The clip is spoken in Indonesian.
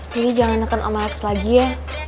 dedi jangan neken om alex lagi ya